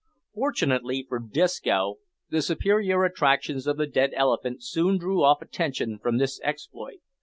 Fortunately for Disco, the superior attractions of the dead elephant soon drew off attention from this exploit.